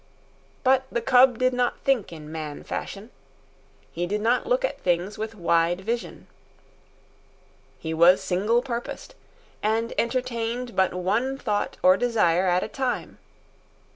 But the cub did not think in man fashion. He did not look at things with wide vision. He was single purposed, and entertained but one thought or desire at a time.